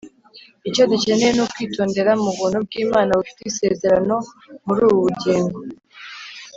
Icyo dukeneye ni ukwitondera mu buntu bw'Imana bufite isezerano muri ubu bugingo